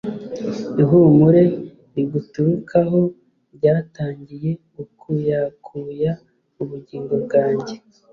ihumure riguturukaho ryatangiye gukuyakuya ubugingo bwanjye